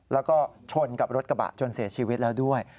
แล้วก็ชนกับรถกระบะจนเสียชีวิตแล้วด้วย